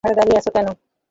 ওখানে দাঁড়িয়ে আছো কেন?